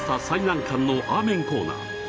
最難関のアーメン・コーナー。